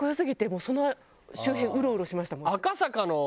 もうその周辺うろうろしましたもん。